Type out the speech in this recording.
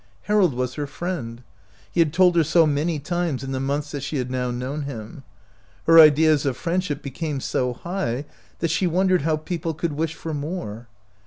Harold was her friend ; he had told her so many times in the months that she had now known him. Her ideas of friendship became so high that she wondered how people could wish for more.